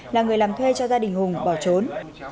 là người làm thuê cho gia đình hùng bỏ trốn